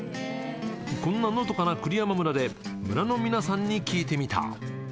こんなのどかな栗山村で村の皆さんに聞いてみた。